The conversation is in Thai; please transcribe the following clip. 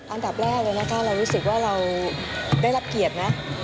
อันดับแรกเลยนะคะเรารู้สึกว่าเราได้รับเกียรตินะ